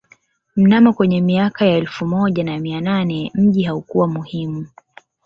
Mnamo kwenye mika ya elfu moja na mia nane mji haukuwa muhimu